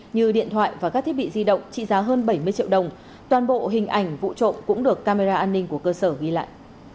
như điện thoại và các thiết bị di động trị giá hơn bảy mươi triệu đồng toàn bộ hình ảnh vụ trộm cũng được camera an ninh của cơ sở ghi lại